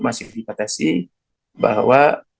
masih dibatasi bahwa